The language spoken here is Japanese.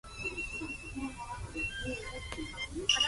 今日は朝からとてもいい天気だったので、散歩をしながら写真を撮りました。